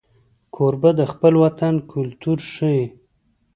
کوربه د خپل وطن کلتور ښيي.